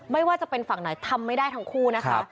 ไม่ว่าจะเป็นฝั่งไหนทำไม่ได้ทั้งคู่นะคะ